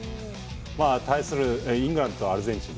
対するイングランドとアルゼンチン